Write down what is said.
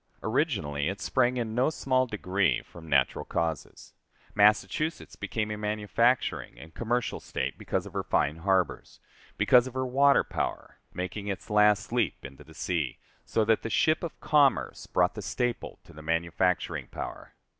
Originally it sprang in no small degree from natural causes. Massachusetts became a manufacturing and commercial State because of her fine harbors because of her water power, making its last leap into the sea, so that the ship of commerce brought the staple to the manufacturing power.